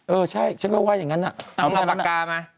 เออใช่ฉันก็ว่าอย่างนั้นเอาปากกามา